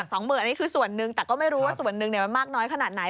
แต่๒๐๐๐๐นี่คือส่วนหนึ่งแต่ก็ไม่รู้ว่าส่วนหนึ่งมักน้อยขนาดไหน